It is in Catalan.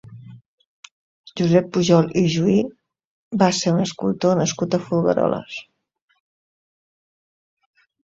Josep Pujol i Juhí va ser un escultor nascut a Folgueroles.